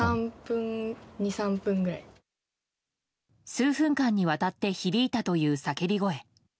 数分間にわたって響いたという叫び声。